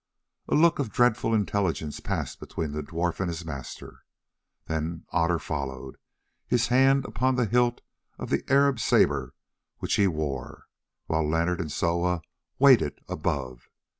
A look of dreadful intelligence passed between the dwarf and his master. Then Otter followed, his hand upon the hilt of the Arab sabre which he wore, while Leonard and Soa waited above.